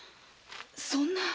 そんな！